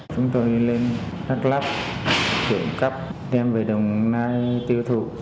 chúng tôi lên đắk lắp trộm cắp đem về đồng nai tiêu thụ